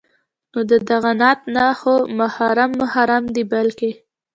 نو د دغه نعمت نه خو محروم محروم دی بلکي